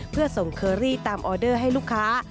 เพื่อส่งเคอรี่ตามออเดอร์ให้ลูกค้า